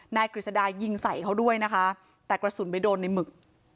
กฤษดายิงใส่เขาด้วยนะคะแต่กระสุนไปโดนในหมึก